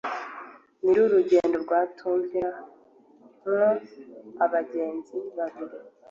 nyiri urugendo rwatuvira mwo abageni babiri,